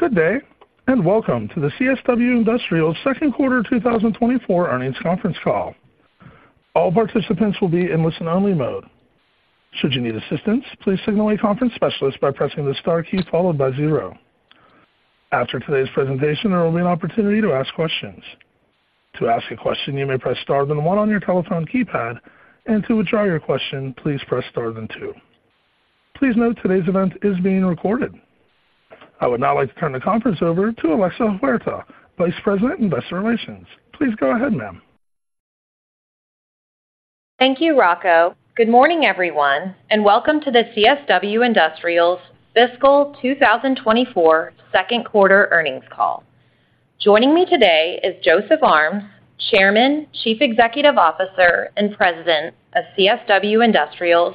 Good day, and welcome to the CSW Industrials Second Quarter 2024 Earnings Conference Call. All participants will be in listen-only mode. Should you need assistance, please signal a conference specialist by pressing the star key followed by zero. After today's presentation, there will be an opportunity to ask questions. To ask a question, you may press star then one on your telephone keypad, and to withdraw your question, please press star then two. Please note today's event is being recorded. I would now like to turn the conference over to Alexa Huerta, Vice President, Investor Relations. Please go ahead, ma'am. Thank you, Rocco. Good morning, everyone, and welcome to the CSW Industrials Fiscal 2024 second quarter earnings call. Joining me today is Joseph Armes, Chairman, Chief Executive Officer, and President of CSW Industrials,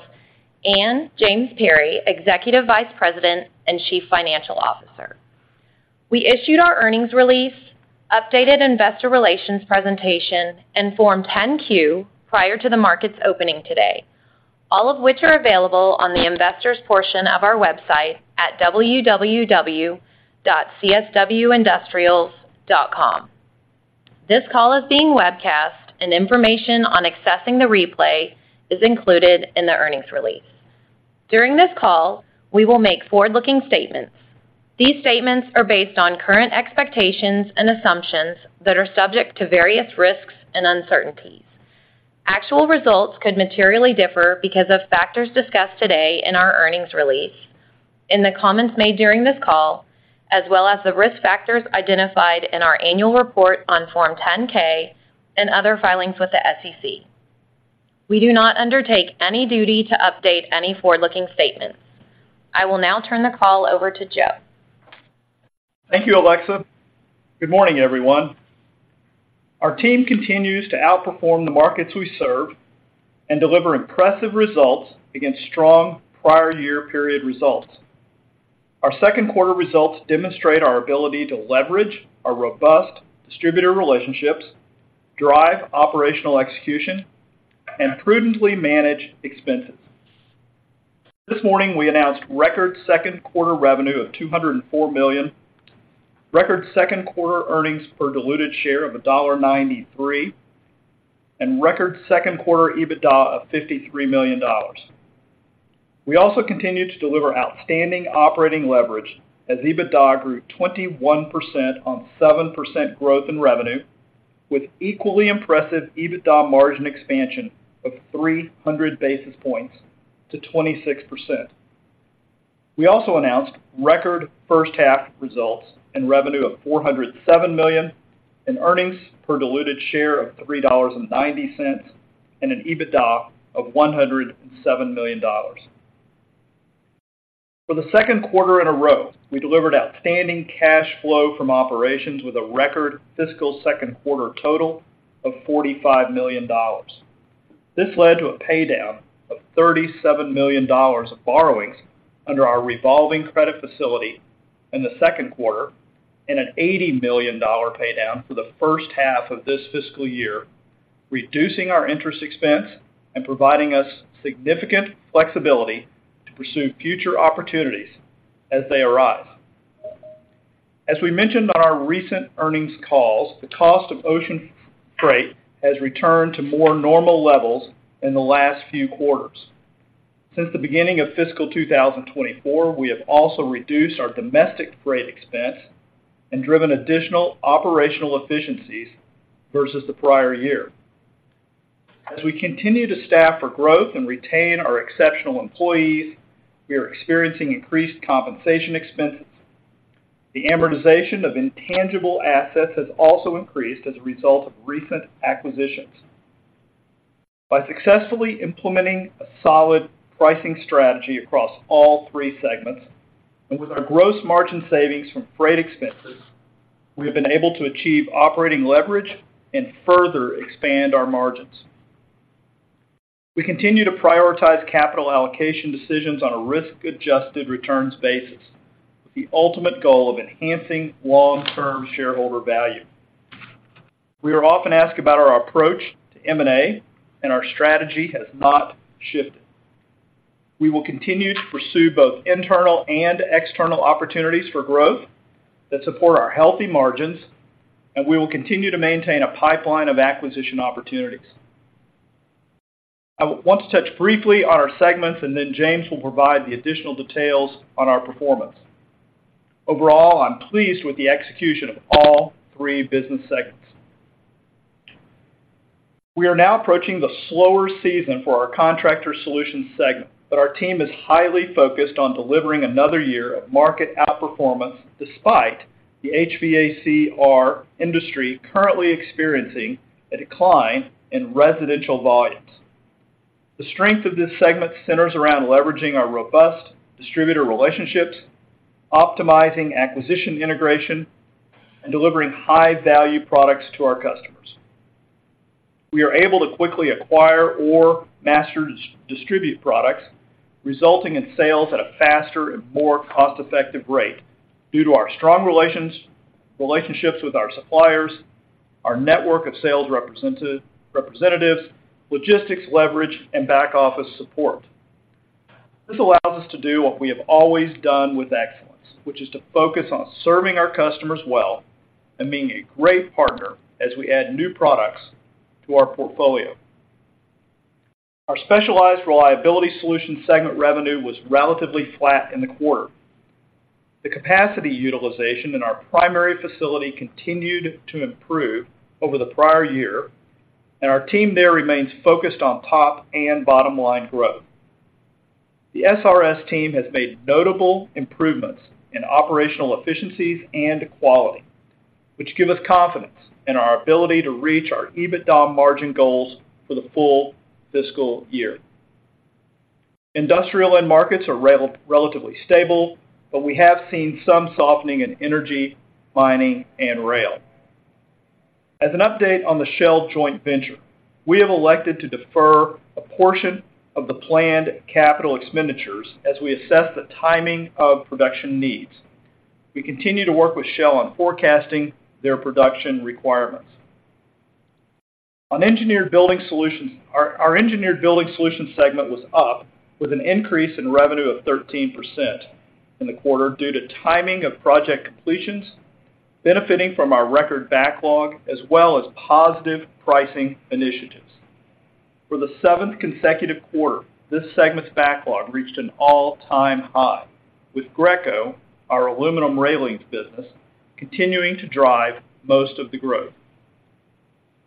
and James Perry, Executive Vice President and Chief Financial Officer. We issued our earnings release, updated investor relations presentation, and Form 10-Q prior to the market's opening today, all of which are available on the investors portion of our website at www.cswindustrials.com. This call is being webcast, and information on accessing the replay is included in the earnings release. During this call, we will make forward-looking statements. These statements are based on current expectations and assumptions that are subject to various risks and uncertainties. Actual results could materially differ because of factors discussed today in our earnings release, in the comments made during this call, as well as the risk factors identified in our annual report on Form 10-K and other filings with the SEC. We do not undertake any duty to update any forward-looking statements. I will now turn the call over to Joe. Thank you, Alexa. Good morning, everyone. Our team continues to outperform the markets we serve and deliver impressive results against strong prior year period results. Our second quarter results demonstrate our ability to leverage our robust distributor relationships, drive operational execution, and prudently manage expenses. This morning, we announced record second quarter revenue of $204 million, record second quarter earnings per diluted share of $1.93, and record second quarter EBITDA of $53 million. We also continued to deliver outstanding operating leverage as EBITDA grew 21% on 7% growth in revenue, with equally impressive EBITDA margin expansion of 300 basis points to 26%. We also announced record first half results in revenue of $407 million, in earnings per diluted share of $3.90, and an EBITDA of $107 million. For the second quarter in a row, we delivered outstanding cash flow from operations with a record fiscal second quarter total of $45 million. This led to a paydown of $37 million of borrowings under our revolving credit facility in the second quarter and an $80 million paydown for the first half of this fiscal year, reducing our interest expense and providing us significant flexibility to pursue future opportunities as they arise. As we mentioned on our recent earnings calls, the cost of ocean freight has returned to more normal levels in the last few quarters. Since the beginning of fiscal 2024, we have also reduced our domestic freight expense and driven additional operational efficiencies versus the prior year. As we continue to staff for growth and retain our exceptional employees, we are experiencing increased compensation expenses. The amortization of intangible assets has also increased as a result of recent acquisitions. By successfully implementing a solid pricing strategy across all three segments, and with our gross margin savings from freight expenses, we have been able to achieve operating leverage and further expand our margins. We continue to prioritize capital allocation decisions on a risk-adjusted returns basis, with the ultimate goal of enhancing long-term shareholder value. We are often asked about our approach to M&A, and our strategy has not shifted. We will continue to pursue both internal and external opportunities for growth that support our healthy margins, and we will continue to maintain a pipeline of acquisition opportunities. I want to touch briefly on our segments, and then James will provide the additional details on our performance. Overall, I'm pleased with the execution of all three business segments. We are now approaching the slower season for our Contractor Solutions segment, but our team is highly focused on delivering another year of market outperformance despite the HVACR industry currently experiencing a decline in residential volumes. The strength of this segment centers around leveraging our robust distributor relationships, optimizing acquisition integration, and delivering high-value products to our customers. We are able to quickly acquire or master distribute products, resulting in sales at a faster and more cost-effective rate due to our strong relationships with our suppliers, our network of sales representatives, logistics leverage, and back office support. This allows us to do what we have always done with excellence, which is to focus on serving our customers well and being a great partner as we add new products to our portfolio. Our Specialized Reliability Solutions segment revenue was relatively flat in the quarter. The capacity utilization in our primary facility continued to improve over the prior year, and our team there remains focused on top and bottom line growth. The SRS team has made notable improvements in operational efficiencies and quality, which give us confidence in our ability to reach our EBITDA margin goals for the full fiscal year. Industrial end markets are relatively stable, but we have seen some softening in energy, mining, and rail. As an update on the Shell joint venture, we have elected to defer a portion of the planned capital expenditures as we assess the timing of production needs. We continue to work with Shell on forecasting their production requirements. On Engineered Building Solutions, our Engineered Building Solutions segment was up with an increase in revenue of 13% in the quarter due to timing of project completions, benefiting from our record backlog, as well as positive pricing initiatives. For the seventh consecutive quarter, this segment's backlog reached an all-time high, with Greco, our aluminum railings business, continuing to drive most of the growth.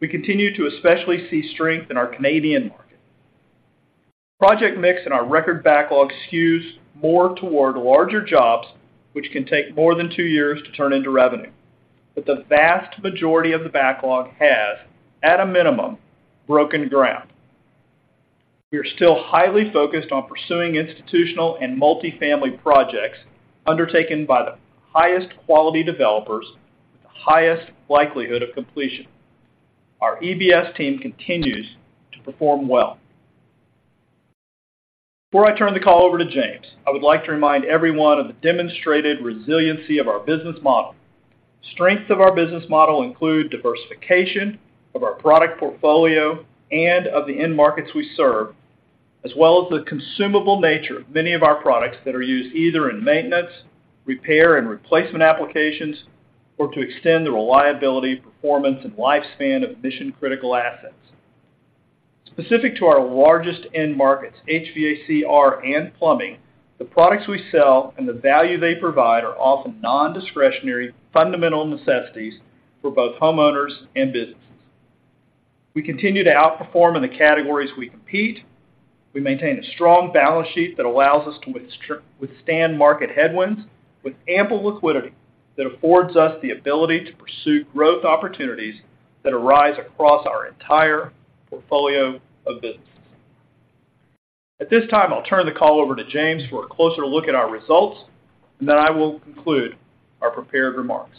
We continue to especially see strength in our Canadian market. Project mix in our record backlog skews more toward larger jobs, which can take more than two years to turn into revenue, but the vast majority of the backlog has, at a minimum, broken ground. We are still highly focused on pursuing institutional and multifamily projects undertaken by the highest quality developers with the highest likelihood of completion. Our EBS team continues to perform well. Before I turn the call over to James, I would like to remind everyone of the demonstrated resiliency of our business model. Strengths of our business model include diversification of our product portfolio and of the end markets we serve, as well as the consumable nature of many of our products that are used either in maintenance, repair, and replacement applications, or to extend the reliability, performance, and lifespan of mission-critical assets. Specific to our largest end markets, HVACR and plumbing, the products we sell and the value they provide are often non-discretionary, fundamental necessities for both homeowners and businesses. We continue to outperform in the categories we compete. We maintain a strong balance sheet that allows us to withstand market headwinds, with ample liquidity that affords us the ability to pursue growth opportunities that arise across our entire portfolio of businesses. At this time, I'll turn the call over to James for a closer look at our results, and then I will conclude our prepared remarks.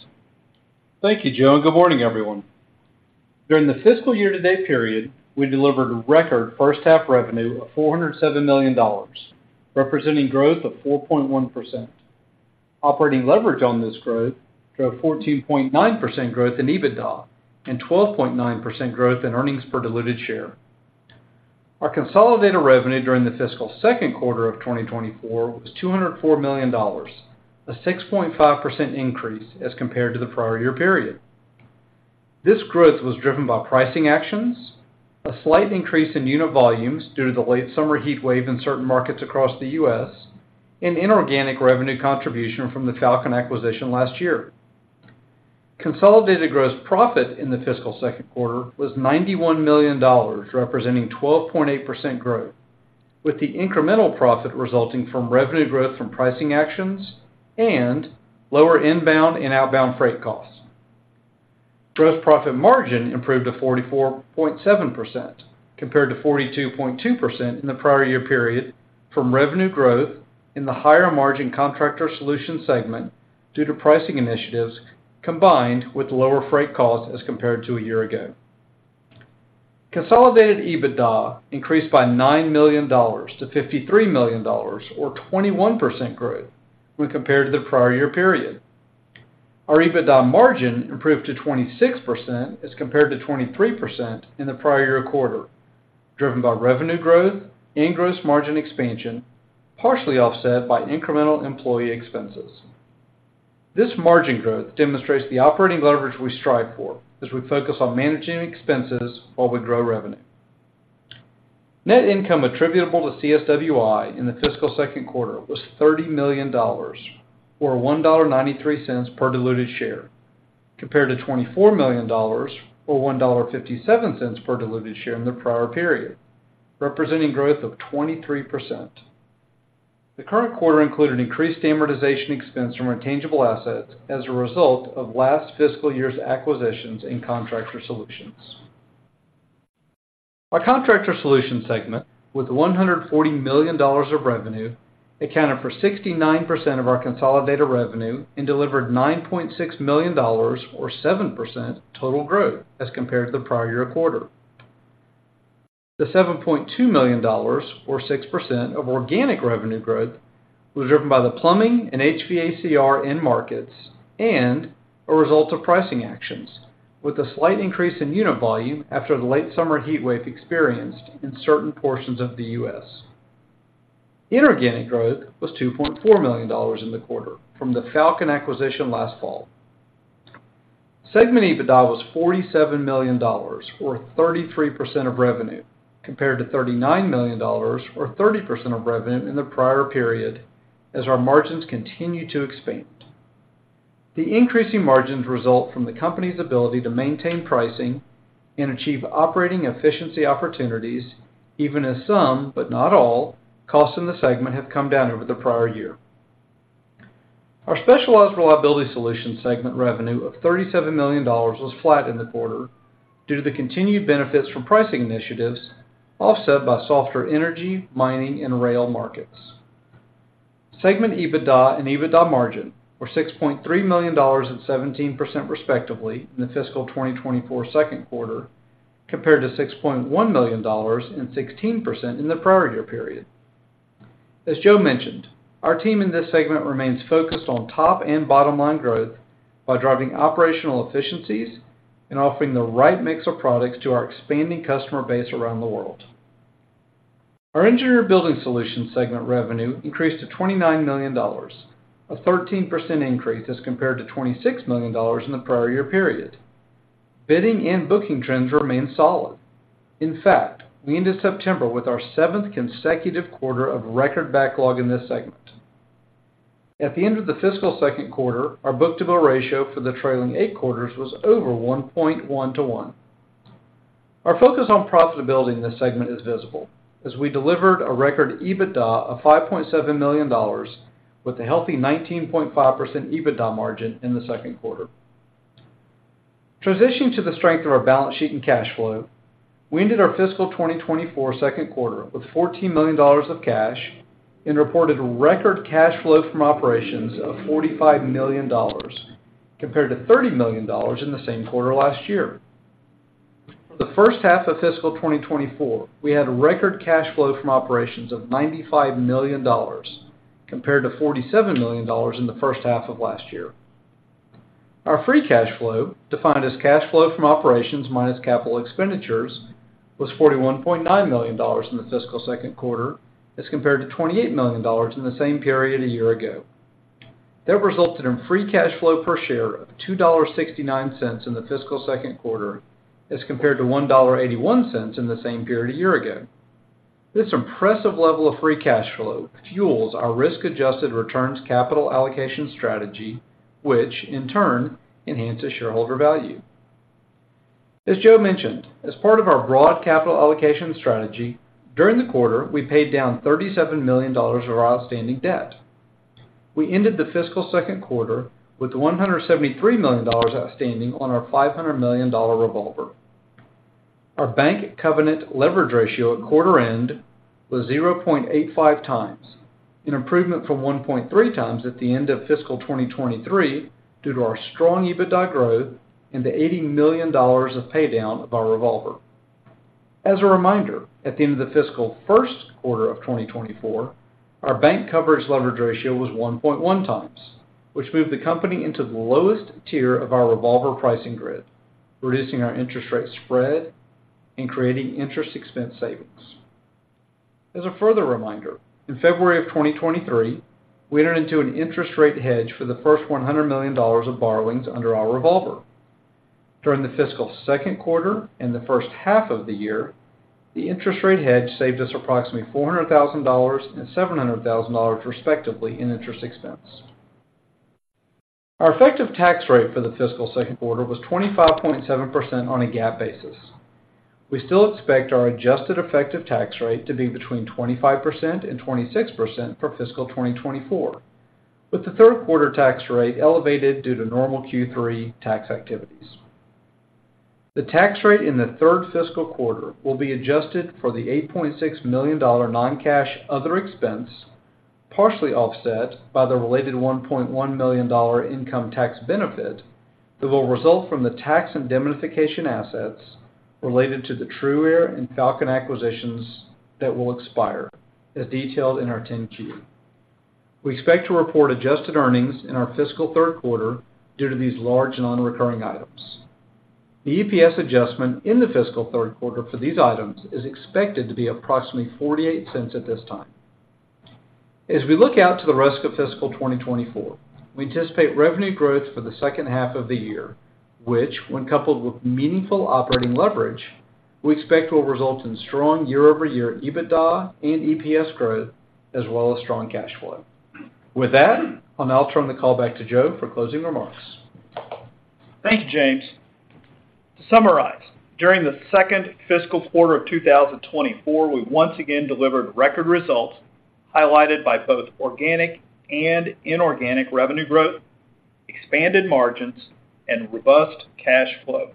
Thank you, Joe, and good morning, everyone. During the fiscal year-to-date period, we delivered a record first half revenue of $407 million, representing growth of 4.1%. Operating leverage on this growth drove 14.9% growth in EBITDA and 12.9% growth in earnings per diluted share. Our consolidated revenue during the fiscal second quarter of 2024 was $204 million, a 6.5% increase as compared to the prior year period. This growth was driven by pricing actions, a slight increase in unit volumes due to the late summer heat wave in certain markets across the U.S., and inorganic revenue contribution from the Falcon acquisition last year. Consolidated gross profit in the fiscal second quarter was $91 million, representing 12.8% growth, with the incremental profit resulting from revenue growth from pricing actions and lower inbound and outbound freight costs. Gross profit margin improved to 44.7%, compared to 42.2% in the prior year period from revenue growth in the higher margin Contractor Solutions segment due to pricing initiatives, combined with lower freight costs as compared to a year ago. Consolidated EBITDA increased by $9 million to $53 million, or 21% growth when compared to the prior year period. Our EBITDA margin improved to 26% as compared to 23% in the prior year quarter, driven by revenue growth and gross margin expansion, partially offset by incremental employee expenses. This margin growth demonstrates the operating leverage we strive for as we focus on managing expenses while we grow revenue. Net income attributable to CSW in the fiscal second quarter was $30 million, or $1.93 per diluted share, compared to $24 million or $1.57 per diluted share in the prior period, representing growth of 23%. The current quarter included increased amortization expense from our tangible assets as a result of last fiscal year's acquisitions in Contractor Solutions. Our Contractor Solutions segment, with $140 million of revenue, accounted for 69% of our consolidated revenue and delivered $9.6 million, or 7% total growth as compared to the prior year quarter. The $7.2 million, or 6% of organic revenue growth-... was driven by the plumbing and HVACR end markets and a result of pricing actions, with a slight increase in unit volume after the late summer heatwave experienced in certain portions of the U.S. Inorganic growth was $2.4 million in the quarter from the Falcon acquisition last fall. Segment EBITDA was $47 million, or 33% of revenue, compared to $39 million, or 30% of revenue, in the prior period, as our margins continue to expand. The increasing margins result from the company's ability to maintain pricing and achieve operating efficiency opportunities, even as some, but not all, costs in the segment have come down over the prior year. Our Specialized Reliability Solutions segment revenue of $37 million was flat in the quarter due to the continued benefits from pricing initiatives, offset by softer energy, mining, and rail markets. Segment EBITDA and EBITDA margin were $6.3 million and 17%, respectively, in the fiscal 2024 second quarter, compared to $6.1 million and 16% in the prior year period. As Joe mentioned, our team in this segment remains focused on top and bottom line growth by driving operational efficiencies and offering the right mix of products to our expanding customer base around the world. Our Engineered Building Solutions segment revenue increased to $29 million, a 13% increase as compared to $26 million in the prior year period. Bidding and booking trends remain solid. In fact, we ended September with our seventh consecutive quarter of record backlog in this segment. At the end of the fiscal second quarter, our book-to-bill ratio for the trailing 8 quarters was over 1.1 to 1. Our focus on profitability in this segment is visible as we delivered a record EBITDA of $5.7 million, with a healthy 19.5% EBITDA margin in the second quarter. Transitioning to the strength of our balance sheet and cash flow, we ended our fiscal 2024 second quarter with $14 million of cash and reported record cash flow from operations of $45 million, compared to $30 million in the same quarter last year. For the first half of fiscal 2024, we had a record cash flow from operations of $95 million, compared to $47 million in the first half of last year. Our free cash flow, defined as cash flow from operations minus capital expenditures, was $41.9 million in the fiscal second quarter, as compared to $28 million in the same period a year ago. That resulted in free cash flow per share of $2.69 in the fiscal second quarter, as compared to $1.81 in the same period a year ago. This impressive level of free cash flow fuels our risk-adjusted returns capital allocation strategy, which in turn enhances shareholder value. As Joe mentioned, as part of our broad capital allocation strategy, during the quarter, we paid down $37 million of our outstanding debt. We ended the fiscal second quarter with $173 million outstanding on our $500 million revolver. Our bank covenant leverage ratio at quarter end was 0.85 times, an improvement from 1.3 times at the end of fiscal 2023, due to our strong EBITDA growth and the $80 million of paydown of our revolver. As a reminder, at the end of the Fiscal First Quarter of 2024, our bank coverage leverage ratio was 1.1 times, which moved the company into the lowest tier of our revolver pricing grid, reducing our interest rate spread and creating interest expense savings. As a further reminder, in February of 2023, we entered into an interest rate hedge for the first $100 million of borrowings under our revolver. During the fiscal second quarter and the first half of the year, the interest rate hedge saved us approximately $400,000 and $700,000, respectively, in interest expense. Our effective tax rate for the fiscal second quarter was 25.7% on a GAAP basis. We still expect our adjusted effective tax rate to be between 25%-26% for fiscal 2024, with the third quarter tax rate elevated due to normal Q3 tax activities. The tax rate in the third fiscal quarter will be adjusted for the $8.6 million non-cash other expense, partially offset by the related $1.1 million income tax benefit, that will result from the tax and indemnification assets related to the TRUaire and Falcon Stainless acquisitions that will expire, as detailed in our 10-Q. We expect to report adjusted earnings in our fiscal third quarter due to these large non-recurring items. The EPS adjustment in the fiscal third quarter for these items is expected to be approximately $0.48 at this time. As we look out to the rest of fiscal 2024, we anticipate revenue growth for the second half of the year, which, when coupled with meaningful operating leverage, we expect will result in strong year-over-year EBITDA and EPS growth, as well as strong cash flow. With that, I'll now turn the call back to Joe for closing remarks. Thank you, James. To summarize, during the second fiscal quarter of 2024, we once again delivered record results, highlighted by both organic and inorganic revenue growth, expanded margins, and robust cash flow.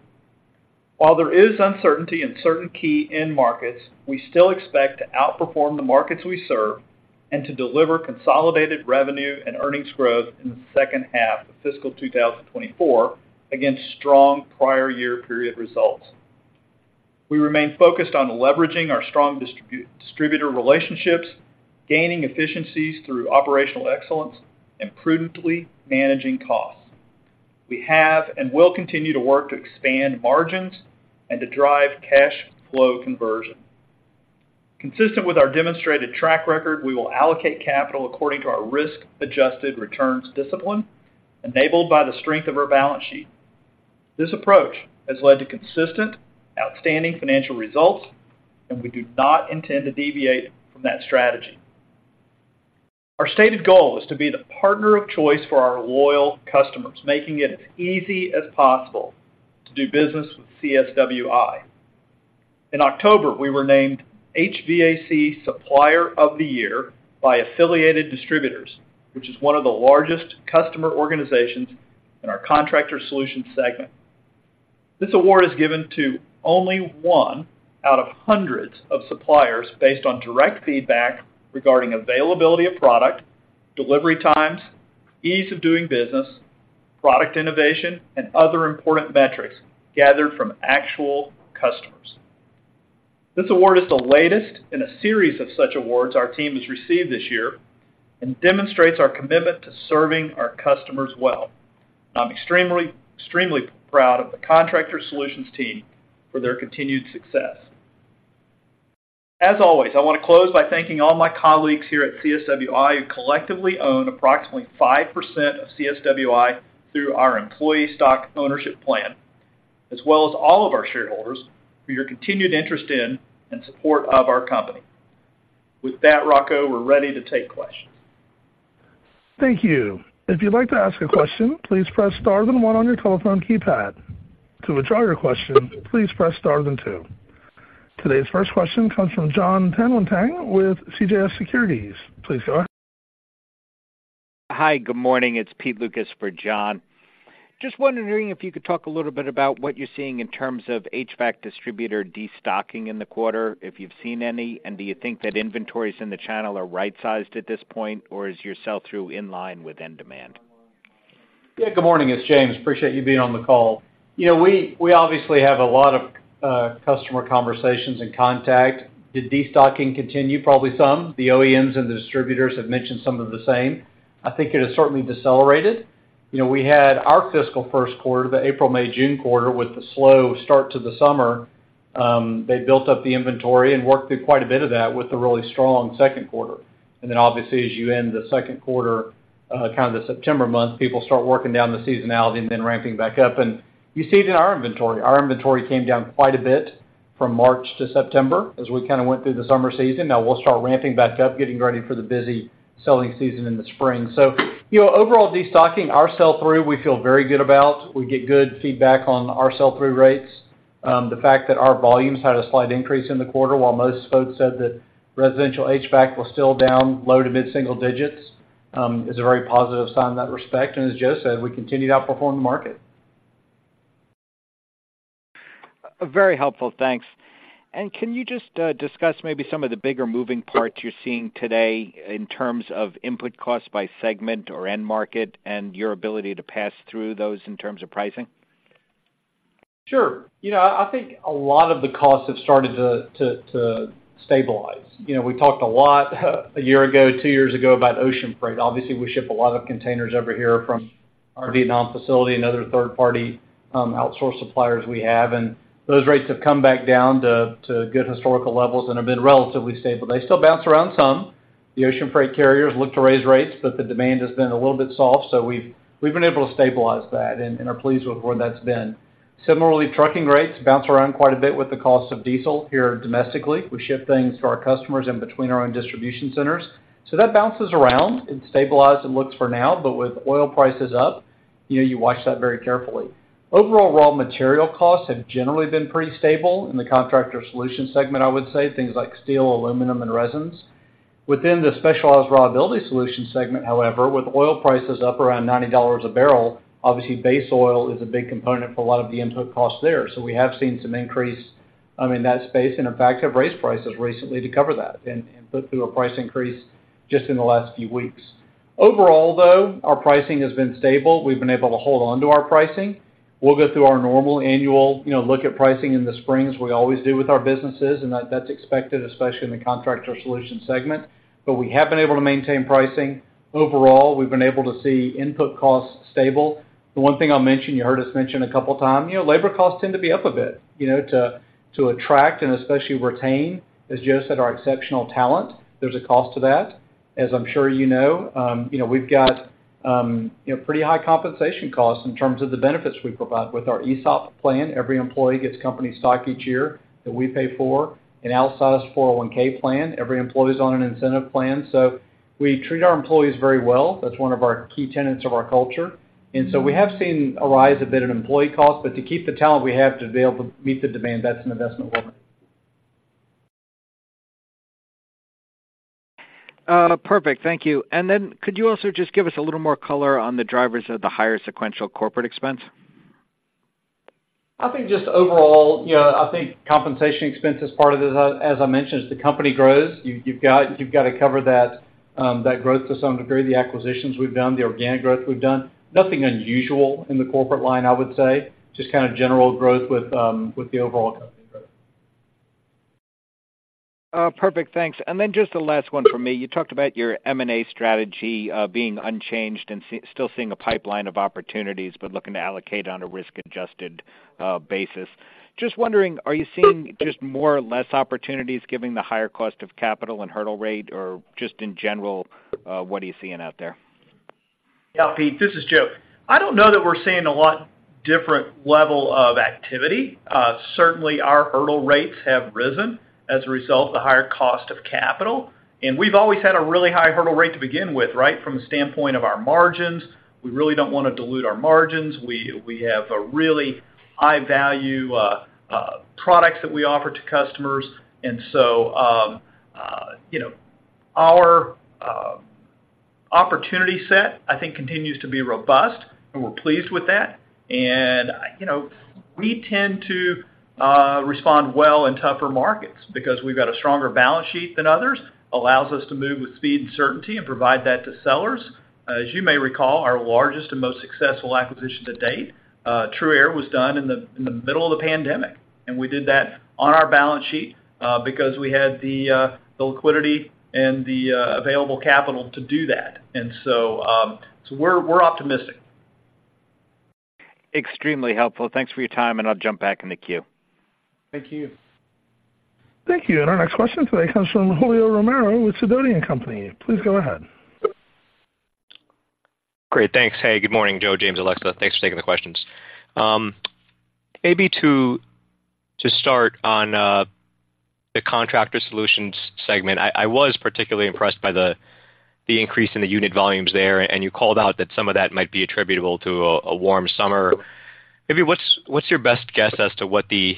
While there is uncertainty in certain key end markets, we still expect to outperform the markets we serve and to deliver consolidated revenue and earnings growth in the second half of fiscal 2024 against strong prior year period results. We remain focused on leveraging our strong distributor relationships, gaining efficiencies through operational excellence, and prudently managing costs. We have and will continue to work to expand margins and to drive cash flow conversion. Consistent with our demonstrated track record, we will allocate capital according to our risk-adjusted returns discipline, enabled by the strength of our balance sheet. This approach has led to consistent, outstanding financial results, and we do not intend to deviate from that strategy. Our stated goal is to be the partner of choice for our loyal customers, making it as easy as possible to do business with CSWI. In October, we were named HVAC Supplier of the Year by Affiliated Distributors, which is one of the largest customer organizations in our Contractor Solutions segment. This award is given to only one out of hundreds of suppliers based on direct feedback regarding availability of product, delivery times, ease of doing business, product innovation, and other important metrics gathered from actual customers. This award is the latest in a series of such awards our team has received this year and demonstrates our commitment to serving our customers well. I'm extremely, extremely proud of the Contractor Solutions team for their continued success. As always, I wanna close by thanking all my colleagues here at CSWI, who collectively own approximately 5% of CSWI through our employee stock ownership plan, as well as all of our shareholders for your continued interest in and support of our company. With that, Rocco, we're ready to take questions. Thank you. If you'd like to ask a question, please press star then one on your telephone keypad. To withdraw your question, please press star then two. Today's first question comes from John Tanwanteng with CJS Securities. Please go ahead. Hi, good morning. It's Pete Lucas for John. Just wondering if you could talk a little bit about what you're seeing in terms of HVAC distributor destocking in the quarter, if you've seen any, and do you think that inventories in the channel are right-sized at this point, or is your sell-through in line with end demand? Yeah, good morning, it's James. Appreciate you being on the call. You know, we obviously have a lot of customer conversations and contact. Did destocking continue? Probably some. The OEMs and the distributors have mentioned some of the same. I think it has certainly decelerated. You know, we had our fiscal first quarter, the April, May, June quarter, with the slow start to the summer. They built up the inventory and worked through quite a bit of that with a really strong second quarter. And then obviously, as you end the second quarter, kind of the September month, people start working down the seasonality and then ramping back up, and you see it in our inventory. Our inventory came down quite a bit from March to September as we kind of went through the summer season. Now we'll start ramping back up, getting ready for the busy selling season in the spring. So, you know, overall, destocking, our sell-through, we feel very good about. We get good feedback on our sell-through rates. The fact that our volumes had a slight increase in the quarter, while most folks said that residential HVAC was still down low- to mid-single digits, is a very positive sign in that respect. As Joe said, we continued to outperform the market. Very helpful. Thanks. Can you just discuss maybe some of the bigger moving parts you're seeing today in terms of input costs by segment or end market and your ability to pass through those in terms of pricing? Sure. You know, I think a lot of the costs have started to stabilize. You know, we talked a lot, a year ago, two years ago, about ocean freight. Obviously, we ship a lot of containers over here from our Vietnam facility and other third-party outsource suppliers we have, and those rates have come back down to good historical levels and have been relatively stable. They still bounce around some. The ocean freight carriers look to raise rates, but the demand has been a little bit soft, so we've been able to stabilize that and are pleased with where that's been. Similarly, trucking rates bounce around quite a bit with the cost of diesel here domestically. We ship things to our customers in between our own distribution centers, so that bounces around. It's stabilized, it looks for now, but with oil prices up, you know, you watch that very carefully. Overall, raw material costs have generally been pretty stable in the Contractor Solutions segment, I would say, things like steel, aluminum, and resins. Within the Specialized Reliability Solutions segment, however, with oil prices up around $90 a barrel, obviously, base oil is a big component for a lot of the input costs there. So we have seen some increase in that space, and in fact, have raised prices recently to cover that and, and put through a price increase just in the last few weeks. Overall, though, our pricing has been stable. We've been able to hold on to our pricing. We'll go through our normal annual, you know, look at pricing in the spring, as we always do with our businesses, and that's expected, especially in the Contractor Solutions segment. But we have been able to maintain pricing. Overall, we've been able to see input costs stable. The one thing I'll mention, you heard us mention a couple times, you know, labor costs tend to be up a bit, you know, to attract and especially retain, as Joe said, our exceptional talent. There's a cost to that. As I'm sure you know, you know, we've got, you know, pretty high compensation costs in terms of the benefits we provide. With our ESOP plan, every employee gets company stock each year that we pay for, an outsized 401(k) plan. Every employee is on an incentive plan, so we treat our employees very well. That's one of our key tenets of our culture. And so we have seen a rise a bit in employee costs, but to keep the talent, we have to be able to meet the demand. That's an investment for me. Perfect. Thank you. And then could you also just give us a little more color on the drivers of the higher sequential corporate expense? I think just overall, you know, I think compensation expense is part of it. As I mentioned, as the company grows, you've got to cover that growth to some degree, the acquisitions we've done, the organic growth we've done. Nothing unusual in the corporate line, I would say, just kind of general growth with the overall company growth. Perfect, thanks. And then just the last one from me. You talked about your M&A strategy, being unchanged and still seeing a pipeline of opportunities, but looking to allocate on a risk-adjusted basis. Just wondering, are you seeing just more or less opportunities, given the higher cost of capital and hurdle rate? Or just in general, what are you seeing out there? Yeah, Pete, this is Joe. I don't know that we're seeing a lot different level of activity. Certainly, our hurdle rates have risen as a result of the higher cost of capital, and we've always had a really high hurdle rate to begin with, right? From the standpoint of our margins, we really don't wanna dilute our margins. We, we have a really high-value products that we offer to customers. And so, you know, our opportunity set, I think, continues to be robust, and we're pleased with that. And, you know, we tend to respond well in tougher markets because we've got a stronger balance sheet than others, allows us to move with speed and certainty and provide that to sellers. As you may recall, our largest and most successful acquisition to date, TRUaire, was done in the middle of the pandemic, and we did that on our balance sheet, because we had the liquidity and the available capital to do that. And so, so we're, we're optimistic. Extremely helpful. Thanks for your time, and I'll jump back in the queue. Thank you. Thank you. Our next question today comes from Julio Romero with Sidoti & Company. Please go ahead. Great. Thanks. Hey, good morning, Joe, James, Alexa. Thanks for taking the questions. Maybe to start on the Contractor Solutions segment, I was particularly impressed by the increase in the unit volumes there, and you called out that some of that might be attributable to a warm summer. Maybe what's your best guess as to what the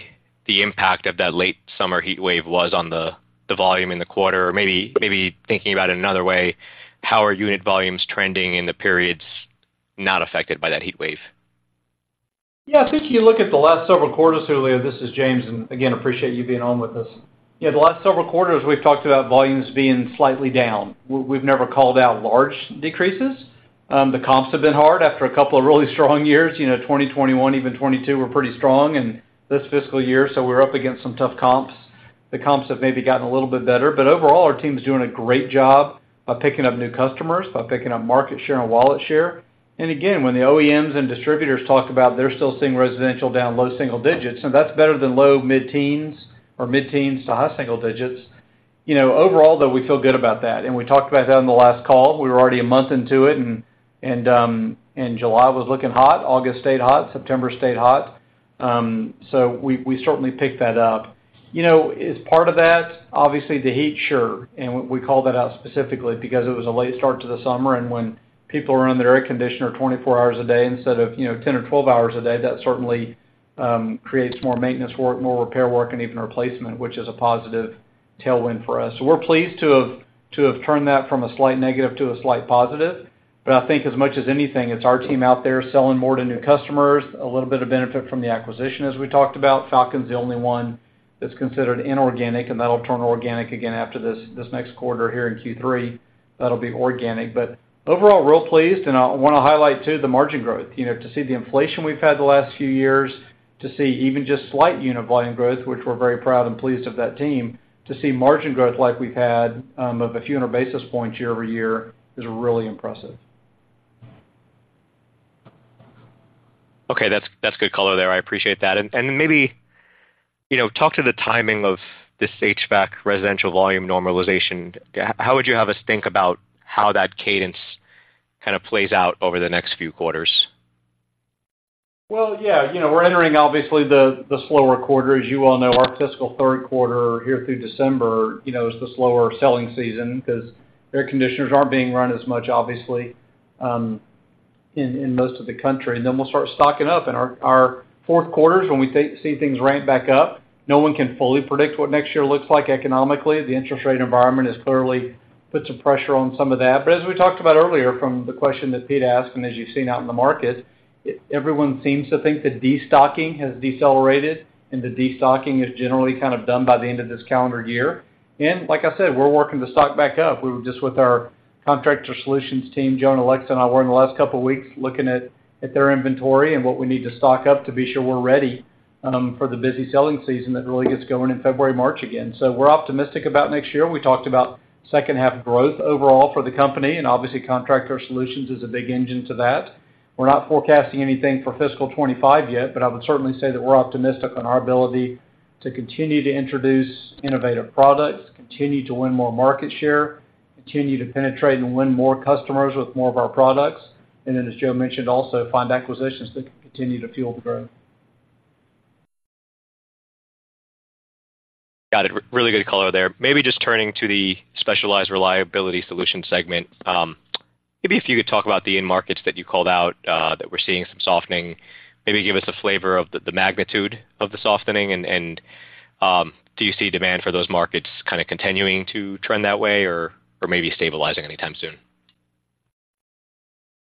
impact of that late summer heatwave was on the volume in the quarter? Or maybe thinking about it another way, how are unit volumes trending in the periods not affected by that heatwave? Yeah, I think you look at the last several quarters, Julio. This is James, and again, appreciate you being on with us. Yeah, the last several quarters, we've talked about volumes being slightly down. We've never called out large decreases. The comps have been hard after a couple of really strong years. You know, 2021, even 2022, were pretty strong, and this fiscal year, so we're up against some tough comps. The comps have maybe gotten a little bit better, but overall, our team's doing a great job of picking up new customers, by picking up market share and wallet share. And again, when the OEMs and distributors talk about they're still seeing residential down low single digits, and that's better than low mid-teens or mid-teens to high single digits. You know, overall, though, we feel good about that, and we talked about that on the last call. We were already a month into it, and July was looking hot. August stayed hot. September stayed hot. So we certainly picked that up. You know, is part of that obviously the heat? Sure, and we called that out specifically because it was a late start to the summer, and when people are on their air conditioner 24 hours a day instead of, you know, 10 or 12 hours a day, that certainly creates more maintenance work, more repair work, and even replacement, which is a positive tailwind for us. So we're pleased to have turned that from a slight negative to a slight positive. But I think as much as anything, it's our team out there selling more to new customers, a little bit of benefit from the acquisition as we talked about. Falcon's the only one that's considered inorganic, and that'll turn organic again after this, this next quarter here in Q3. That'll be organic. But overall, real pleased, and I wanna highlight, too, the margin growth. You know, to see the inflation we've had the last few years, to see even just slight unit volume growth, which we're very proud and pleased of that team. To see margin growth like we've had, of a few hundred basis points year-over-year is really impressive. Okay, that's, that's good color there. I appreciate that. And, and maybe, you know, talk to the timing of this HVAC residential volume normalization. How would you have us think about how that cadence kind of plays out over the next few quarters? Well, yeah. You know, we're entering, obviously, the slower quarter. As you all know, our fiscal third quarter here through December, you know, is the slower selling season because air conditioners aren't being run as much, obviously, in most of the country. Then we'll start stocking up in our fourth quarters when we see things ramp back up. No one can fully predict what next year looks like economically. The interest rate environment has clearly put some pressure on some of that. But as we talked about earlier, from the question that Pete asked and as you've seen out in the market, everyone seems to think that destocking has decelerated, and the destocking is generally kind of done by the end of this calendar year. And like I said, we're working to stock back up. We were just with our Contractor Solutions team, Joe and Alexa and I, in the last couple of weeks, looking at their inventory and what we need to stock up to be sure we're ready for the busy selling season that really gets going in February, March again. So we're optimistic about next year. We talked about second half growth overall for the company, and obviously, Contractor Solutions is a big engine to that. We're not forecasting anything for fiscal 2025 yet, but I would certainly say that we're optimistic on our ability to continue to introduce innovative products, continue to win more market share, continue to penetrate and win more customers with more of our products, and then, as Joe mentioned, also, find acquisitions that can continue to fuel the growth. Got it. Really good color there. Maybe just turning to the Specialized Reliability Solutions segment. Maybe if you could talk about the end markets that you called out, that we're seeing some softening. Maybe give us a flavor of the magnitude of the softening, and do you see demand for those markets kind of continuing to trend that way, or maybe stabilizing anytime soon?...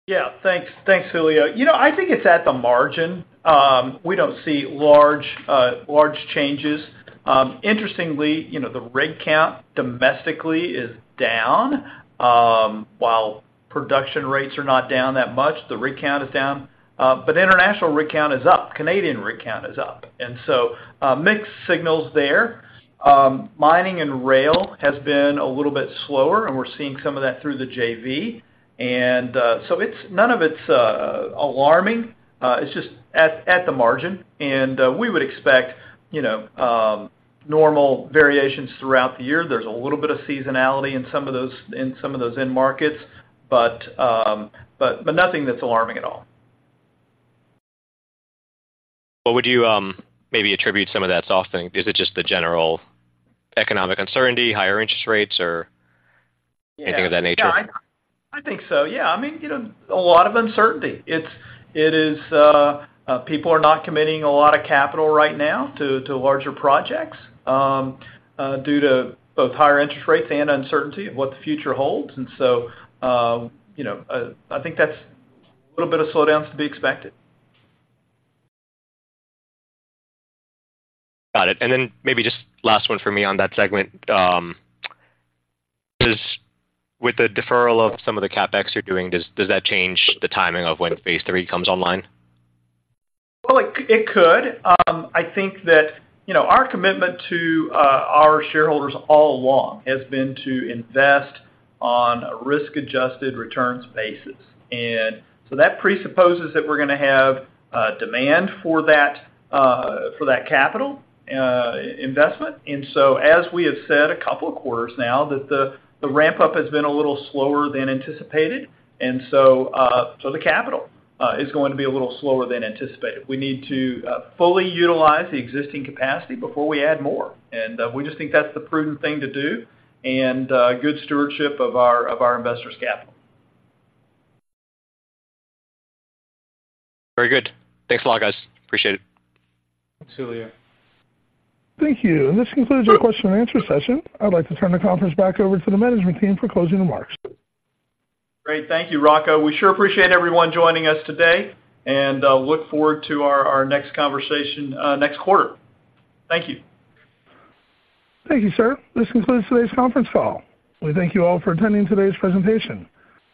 Yeah, thanks. Thanks, Julio. You know, I think it's at the margin. We don't see large, large changes. Interestingly, you know, the rig count domestically is down, while production rates are not down that much, the rig count is down. But international rig count is up. Canadian rig count is up, and so, mixed signals there. Mining and rail has been a little bit slower, and we're seeing some of that through the JV. And, so it's none of it's alarming, it's just at, at the margin, and, we would expect, you know, normal variations throughout the year. There's a little bit of seasonality in some of those, in some of those end markets, but, but, but nothing that's alarming at all. Would you, maybe attribute some of that softening? Is it just the general economic uncertainty, higher interest rates, or anything of that nature? Yeah, I think so. Yeah. I mean, you know, a lot of uncertainty. It is, people are not committing a lot of capital right now to larger projects due to both higher interest rates and uncertainty of what the future holds. And so, you know, I think that's a little bit of slowdown to be expected. Got it. Maybe just last one for me on that segment. With the deferral of some of the CapEx you're doing, does that change the timing of when phase three comes online? Well, it could. I think that, you know, our commitment to our shareholders all along has been to invest on a risk-adjusted returns basis. And so that presupposes that we're gonna have demand for that capital investment. And so as we have said a couple of quarters now, that the ramp-up has been a little slower than anticipated, and so the capital is going to be a little slower than anticipated. We need to fully utilize the existing capacity before we add more, and we just think that's the prudent thing to do, and good stewardship of our investors' capital. Very good. Thanks a lot, guys. Appreciate it. Thanks, Julio. Thank you. This concludes our question and answer session. I'd like to turn the conference back over to the management team for closing remarks. Great. Thank you, Rocco. We sure appreciate everyone joining us today, and look forward to our, our next conversation, next quarter. Thank you. Thank you, sir. This concludes today's conference call. We thank you all for attending today's presentation.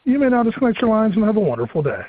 You may now disconnect your lines and have a wonderful day.